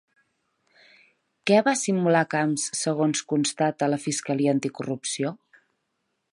Què va simular Camps segons constata la fiscalia anticorrupció?